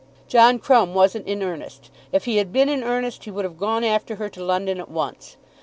John Crumb wasn't in earnest. If he had been in earnest he would have gone after her to London at once.